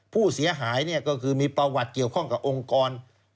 ผู้เสียหายก็คือมีประวัติเกี่ยวข้องกับองค์กร